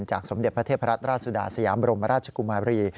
สมเด็จพระเทพรัตนราชสุดาสยามบรมราชกุมาบรี